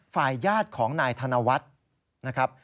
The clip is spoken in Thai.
ฝ่ายญาติของนายธนวัฒน์นะครับ